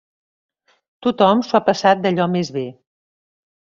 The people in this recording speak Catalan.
Tothom s'ho ha passat d'allò més bé.